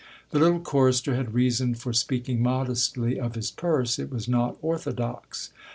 The little chorister had reason for speaking modestly of his purse, it was not orthodox.